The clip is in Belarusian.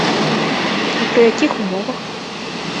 І пры якіх умовах?